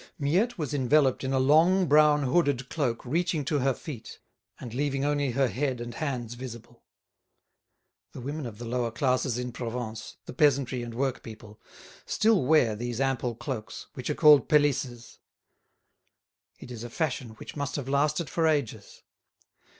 Miette was enveloped in a long brown hooded cloak reaching to her feet, and leaving only her head and hands visible. The women of the lower classes in Provence—the peasantry and workpeople—still wear these ample cloaks, which are called pelisses; it is a fashion which must have lasted for ages.